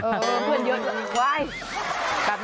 เออเพื่อนเยอะจริงว้าย